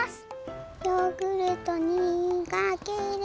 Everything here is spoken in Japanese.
ヨーグルトにかける！